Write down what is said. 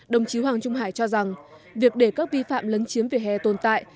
đồng chí hoàng trung hải cho rằng việc để các vi phạm lấn chiếm vỉa hè tồn tại